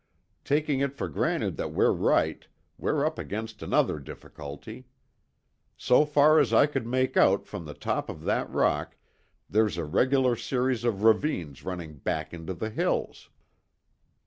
Taking it for granted that we're right, we're up against another difficulty. So far as I could make out from the top of that rock, there's a regular series of ravines running back into the hills."